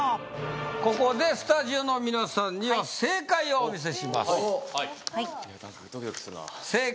ここでスタジオの皆さんには正解をお見せします